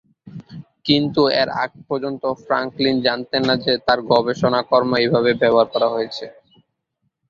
কিন্তু এর আগ পর্যন্ত ফ্রাঙ্কলিন জানতেন না যে তাঁর গবেষণাকর্ম এভাবে ব্যবহার করা হয়েছে।